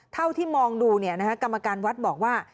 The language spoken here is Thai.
เท่าที่มองดูกรรมการวัดบอกว่า